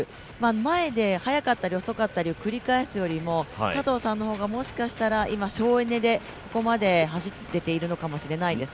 前で速かったり遅かったりを繰り返すよりも佐藤さんの方が今、省エネでここまで走れてるのかもしれません。